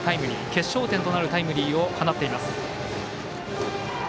決勝点となるタイムリーを放っています。